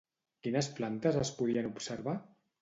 Quines plantes es podien observar?